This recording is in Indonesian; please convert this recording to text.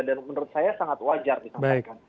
dan menurut saya sangat wajar ditampilkan